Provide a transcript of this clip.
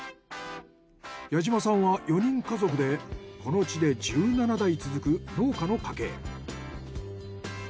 矢島さんは４人家族でこの地で１７代続く農家の家系。